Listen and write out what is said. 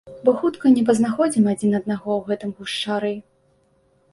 Бо хутка не пазнаходзім адзін аднаго ў гэтым гушчары.